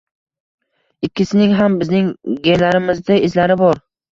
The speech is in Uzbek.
Ikkisining ham bizning genlarimizda izlari bor.